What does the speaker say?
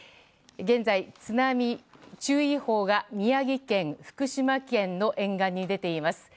現在、津波注意報が宮城県、福島県の沿岸に出ています。